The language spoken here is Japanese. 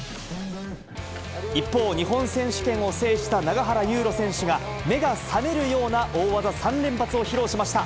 一方、日本選手権を制した永原悠路選手は、目が覚めるような大技３連発を披露しました。